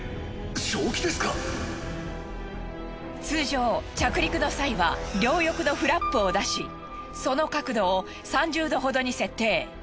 通常着陸の際は両翼のフラップを出しその角度を３０度ほどに設定。